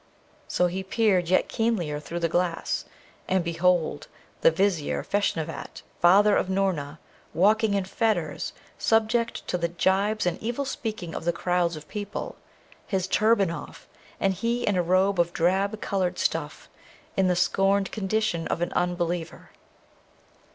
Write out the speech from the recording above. So he peered yet keenlier through the glass, and behold, the Vizier Feshnavat, father of Noorna, walking in fetters, subject to the jibes and evil speaking of the crowds of people, his turban off, and he in a robe of drab coloured stuff, in the scorned condition of an unbeliever.